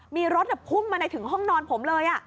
มีรถพุ่งมาในถึงห้องนอนผมเลย